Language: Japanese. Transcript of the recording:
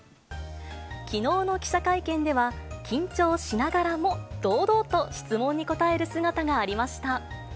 きのうの記者会見では、緊張しながらも、堂々と質問に答える姿がありました。